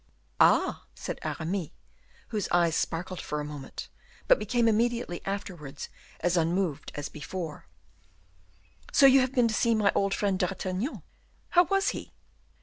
"Ah!" said Aramis, whose eyes sparkled for a moment, but became immediately afterwards as unmoved as before; "so you have been to see my old friend D'Artagnan; how was he?"